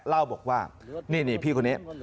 เล่าบอกว่านี่พี่คนนี้